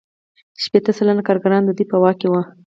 شپیته سلنه کارګران د دوی په واک کې وو